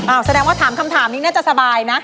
แสดงว่าถามคำถามนี้น่าจะสบายนะ